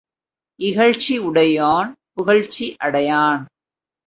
இகழ்ச்சி உடையோன் புகழ்ச்சி அடையான்.